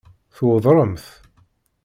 Tweddṛem-t?